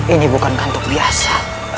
ini bukan kantuk biasa